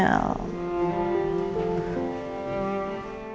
tapi papa mencoba untuk bertahan